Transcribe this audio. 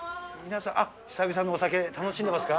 久々のお酒、楽しんでますか。